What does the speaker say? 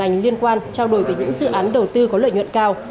hành liên quan trao đổi với những dự án đầu tư có lợi nhuận cao